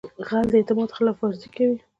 غل د اعتماد خلاف ورزي کوي